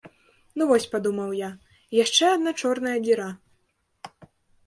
Ну вось, падумаў я, яшчэ адна чорная дзіра.